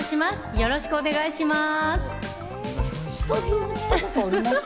よろしくお願いします。